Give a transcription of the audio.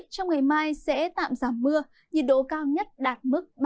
trong ngày mai sẽ tạm giảm mưa nhịn độ cao nhất đạt mức ba mươi bốn độ